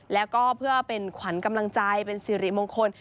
แล้วก็เพื่อเป็นขวัญกำลังใจเป็นสิริมงคล